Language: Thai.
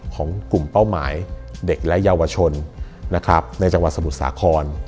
ของกลุ่มเป้าหมายเด็กและเยาวชนนะครับในจังหวัดสมุทรสาคร